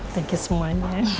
thank you semuanya